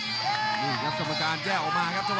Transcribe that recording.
นี่ครับสมการแยกออกมาครับ